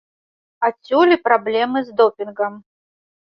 Адсюль і праблемы з допінгам.